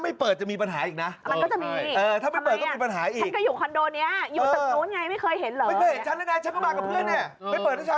ไม่เปิดจะมีปันหาอีกนะก็จะมีปันหาที่ถ้าอยู่คอนโด